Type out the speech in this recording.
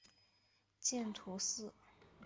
见图四。